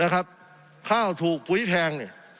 ข้าวถูกปุ๋ยแพง